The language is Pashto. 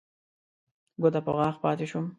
ګوته په غاښ پاتې شوم.